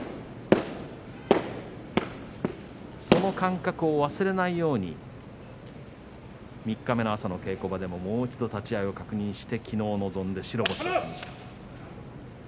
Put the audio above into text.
その感覚を忘れないように三日目の朝の稽古場でもう一度立ち合いの確認をしてきのう臨んで白星でした。